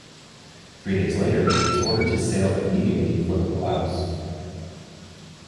Three days later, she was ordered to sail immediately for the Palaus.